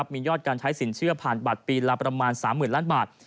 มียอดการใช้สินเชื่อผ่านบัตรปีละประมาณ๓๐๐๐ล้านบาท